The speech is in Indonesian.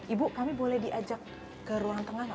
ibu kami boleh diajak ke ruang tengah gak ibu